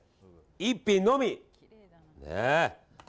１品のみ。